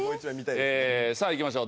えさあいきましょう！